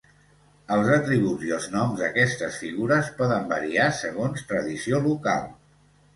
Els atributs i els noms d'aquestes figures poden variar segons tradició local.